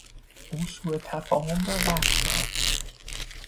او سو تفاهم را رفع کرد.